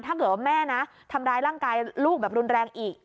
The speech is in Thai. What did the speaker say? ถ้าเกิดว่าแม่นะทำร้ายร่างกายลูกแบบรุนแรงอีก